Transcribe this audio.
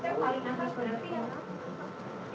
yang paling atas boleh berarti ya pak